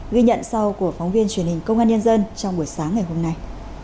ghi nhận sau của phóng viên truyền hình công an nhân dân trong buổi sáng ngày hôm nay